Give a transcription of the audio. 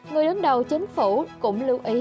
người đứng đầu chính phủ cũng lưu ý